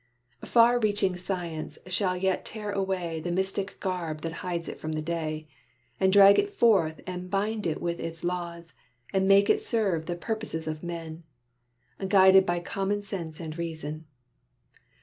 Far reaching science shall yet tear away The mystic garb that hides it from the day, And drag it forth and bind it with its laws, And make it serve the purposes of men, Guided by common sense and reason.